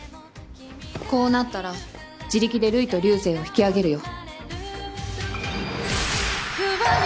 こうなったら自力でルイと流星を引き上げるよ。